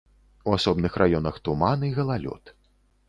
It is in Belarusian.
У асобных раёнах туман і галалёд.